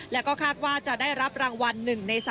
แล้วก็คาดว่าจะได้รับรางวัล๑ใน๓